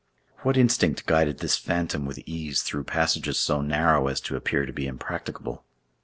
What instinct guided this phantom with ease through passages so narrow as to appear to be impracticable?